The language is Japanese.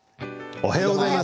おはようございます。